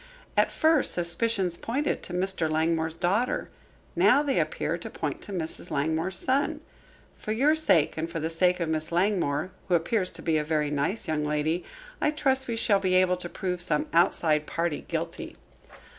At first suspicions pointed to Mr. Langmore's daughter; now they appear to point to Mrs. Langmore's son. For your sake and for the sake of Miss Langmore, who appears to be a very nice young lady, I trust we shall be able to prove some outside party guilty."